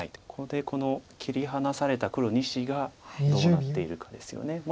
ここでこの切り離された黒２子がどうなっているかですよね。